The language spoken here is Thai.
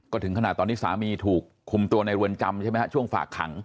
ก็ถึงขนาดตอนนี้สามีถูกคุมตัวในเรือนจำใช่ไหมฮะช่วงฝากขัง